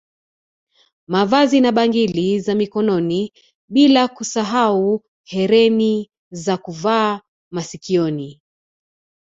Mavazi na bangili za Mikononi bila kusahau hereni za kuvaa masikioni